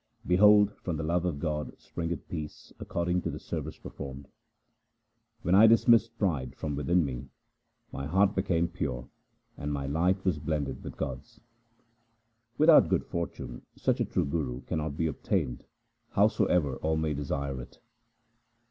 Behold, from the love of God springeth peace according to the service performed. When I dismissed pride from within me, my heart became pure, and my light was blended with God's. Without good fortune such a trueGuru cannot be obtained, howsoever all may desire it.